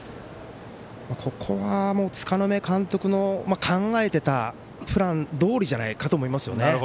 ここは柄目監督の考えてたプランどおりじゃないかと思いますよね。